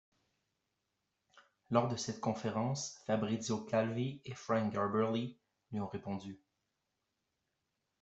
Lors de cette conférence, Fabrizio Calvi et Frank Garbely lui ont répondu.